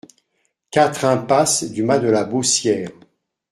quatre impasse du Mas de la Beaussière